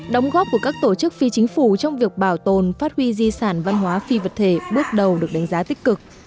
đóng góp của các tổ chức phi chính phủ trong việc bảo tồn phát huy di sản văn hóa phi vật thể bước đầu được đánh giá tích cực